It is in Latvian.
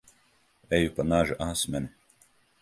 Eju pa naža asmeni.